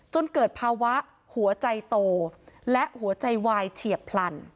จนเกิดภาวะหัวใจโตและหัวใจวายเฉียบพลัน